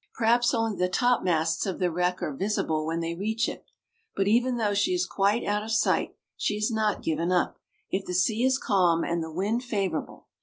Perhaps only the topmasts of the wreck are visible when they reach it; but even though she is quite out of sight, she is not given up, if the sea is calm and the wind favorable.